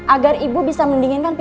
agar ibu bisa melindungi pikiran ibu